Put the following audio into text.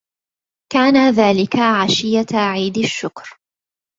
كان ذلك عشيّة عيد الشّكر.